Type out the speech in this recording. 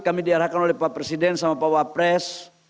kami diarahkan oleh pak presiden sama pak wapres